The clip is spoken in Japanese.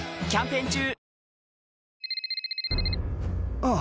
ああ